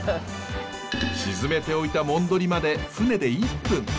沈めておいたもんどりまで船で１分。